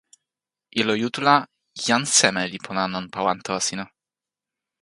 ilo Jutu la jan seme li pona nanpa wan tawa sina?